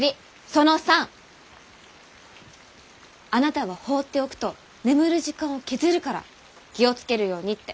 その３！あなたは放っておくと眠る時間を削るから気を付けるようにって。